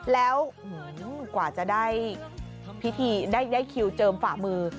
แล้วกว่าจะได้คิวเจิมฝ่ามือ